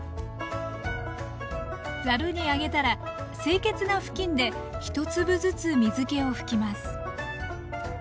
ざるに上げたら清潔な布巾で１粒ずつ水けを拭きます